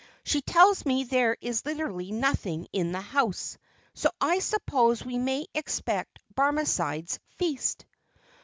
She tells me that there is literally nothing in the house, so I suppose we may expect Barmecide's feast."